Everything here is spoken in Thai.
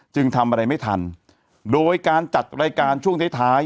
ทำอะไรไม่ทันโดยการจัดรายการช่วงท้ายท้าย